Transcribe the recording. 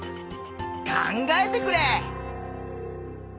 考えてくれ！